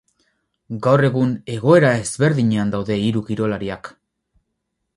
Gaur egun, egoera ezberdinean daude hiru kirolariak.